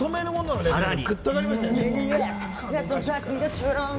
さらに。